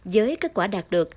với kết quả đạt được